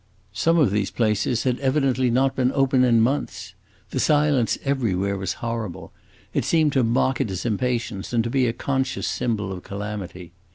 Some of these places had evidently not been open in months. The silence everywhere was horrible; it seemed to mock at his impatience and to be a conscious symbol of calamity.